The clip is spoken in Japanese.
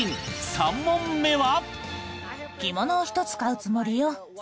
３問目は